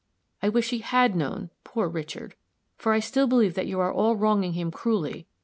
I wish he had known, poor Richard! for I still believe that you are all wronging him cruelly.